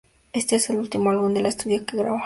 Este es el último álbum de estudio que graba.